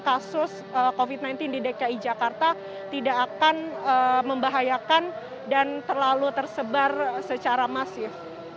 kasus covid sembilan belas di dki jakarta tidak akan membahayakan dan terlalu tersebar secara masif